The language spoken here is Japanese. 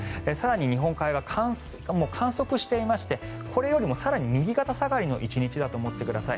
日本海側は観測していましてこれよりも更に右肩下がりの１日だと思ってください。